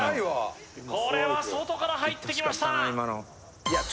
これは外から入ってきました